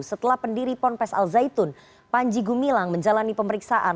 setelah pendiri ponpes al zaitun panji gumilang menjalani pemeriksaan